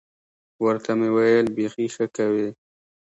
ورته ومې ویل بيخي ښه کوې.